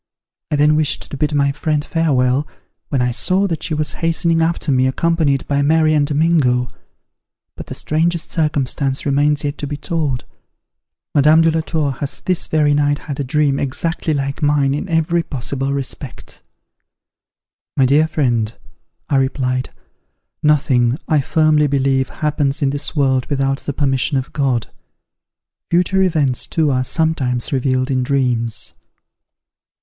I then wished to bid my friend farewell, when I saw that she was hastening after me, accompanied by Mary and Domingo. But the strangest circumstance remains yet to be told; Madame de la Tour has this very night had a dream exactly like mine in every possible respect." "My dear friend," I replied, "nothing, I firmly believe, happens in this world without the permission of God. Future events, too, are sometimes revealed in dreams."